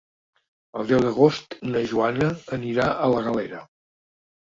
El deu d'agost na Joana anirà a la Galera.